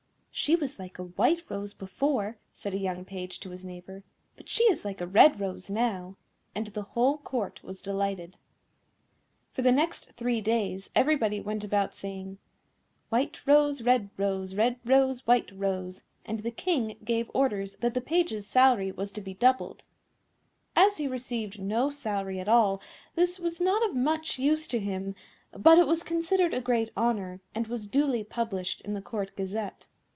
"She was like a white rose before," said a young page to his neighbour, "but she is like a red rose now;" and the whole Court was delighted. [Illustration: THE RUSSIAN PRINCESS] For the next three days everybody went about saying, "White rose, Red rose, Red rose, White rose;" and the King gave orders that the Page's salary was to be doubled. As he received no salary at all this was not of much use to him, but it was considered a great honour, and was duly published in the Court Gazette.